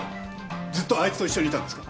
ずっとあいつと一緒にいたんですか？